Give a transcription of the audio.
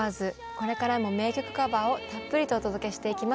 これからも名曲カバーをたっぷりとお届けしていきます。